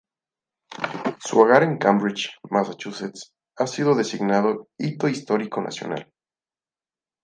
Su hogar en Cambridge, Massachusetts, ha sido designado Hito Histórico Nacional.